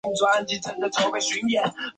然蜀中亦为嘉州者有香而朵大。